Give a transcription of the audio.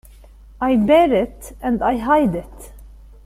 I bear it, and I hide it.